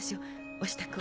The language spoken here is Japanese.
お支度を。